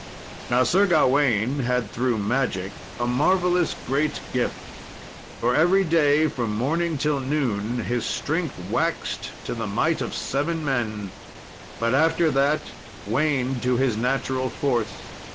Now Sir Gawain had through magic a marvellous great gift. For every day, from morning till noon, his strength waxed to the might of seven men, but after that waned to his natural force.